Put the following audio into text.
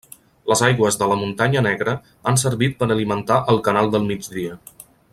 Les aigües de la Muntanya Negra han servit per alimentar el canal del Migdia.